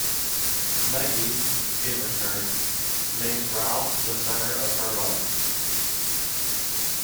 Meggie, in return, makes Ralph the centre of her life.